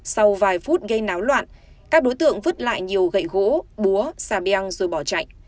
sau vài phút gây náo loạn các đối tượng vứt lại nhiều gậy gỗ búa xà beng rồi bỏ chạy